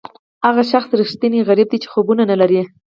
هغه شخص ریښتینی غریب دی چې خوبونه نه لري.